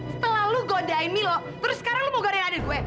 setelah lu godain milo terus sekarang lu mau godain adik gue